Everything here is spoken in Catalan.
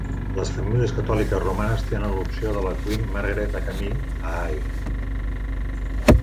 Les famílies catòliques romanes tenen l'opció de la Queen Margaret Academy a Ayr.